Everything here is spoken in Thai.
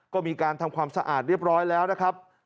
ก็มีการทำความสะอาดเรียบร้อยแล้วนะครับ